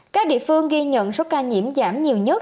các địa phương ghi nhận số ca nhiễm giảm nhiều nhất